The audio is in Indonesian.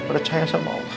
percaya sama allah